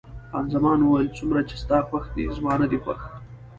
خان زمان وویل: څومره چې ستا خوښ دی، زما نه دی خوښ.